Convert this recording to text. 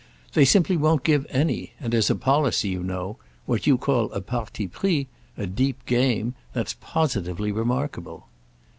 They simply won't give any, and as a policy, you know—what you call a parti pris, a deep game—that's positively remarkable."